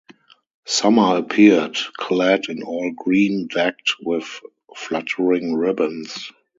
Summer appeared, clad in all green, decked with fluttering ribbons.